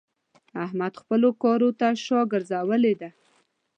احمد خپلو کارو ته شا ګرځولې ده.